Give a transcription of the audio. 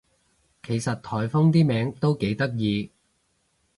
其實颱風啲名都幾得意